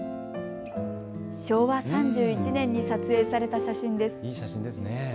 昭和３１年に撮影された写真です。